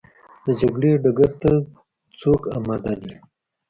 د جګړې ډګر ته څوک اماده دي؟